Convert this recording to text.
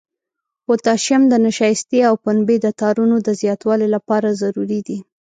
پوتاشیم د نشایستې او پنبې د تارونو د زیاتوالي لپاره ضروري دی.